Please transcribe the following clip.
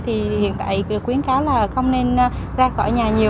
thì hiện tại khuyến cáo là không nên ra khỏi nhà nhiều